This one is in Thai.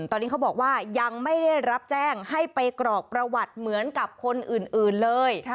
ตอนนี้เขาบอกว่ายังไม่ได้รับแจ้งให้ไปกรอกประวัติเหมือนกับคนอื่นเลย